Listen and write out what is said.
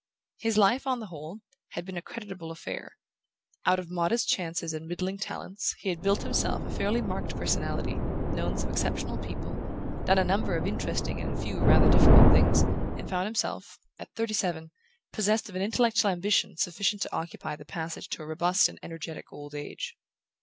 His life, on the whole, had been a creditable affair. Out of modest chances and middling talents he had built himself a fairly marked personality, known some exceptional people, done a number of interesting and a few rather difficult things, and found himself, at thirty seven, possessed of an intellectual ambition sufficient to occupy the passage to a robust and energetic old age.